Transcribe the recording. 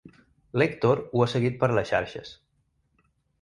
L'Èctor ho ha seguit per les xarxes.